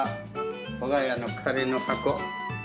わが家のカレーの箱。